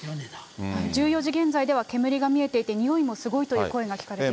１４時現在では煙が見えていて、臭いもすごいという声が聞かれています。